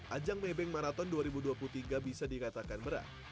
ajang maybank marathon dua ribu dua puluh tiga bisa dikatakan berat